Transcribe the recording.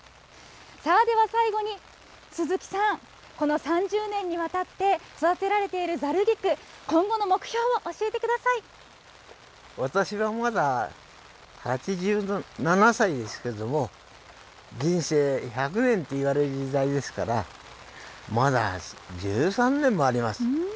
さあ、では最後に、鈴木さん、この３０年にわたって育てられているざる菊、今後の目標を教えてく私はまだ８７歳ですけども、人生１００年といわれる時代ですから、まだ１３年もあります。